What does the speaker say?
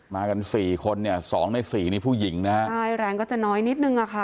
มากันสี่คนเนี่ยสองในสี่นี่ผู้หญิงนะฮะใช่แรงก็จะน้อยนิดนึงอ่ะค่ะ